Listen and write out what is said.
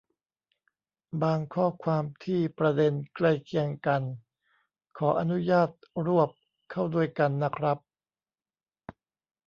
บางข้อความที่ประเด็นใกล้เคียงกันขออนุญาตรวบเข้าด้วยกันนะครับ